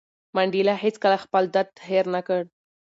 منډېلا هېڅکله خپل درد هېر نه کړ.